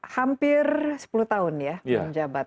hampir sepuluh tahun ya menjabat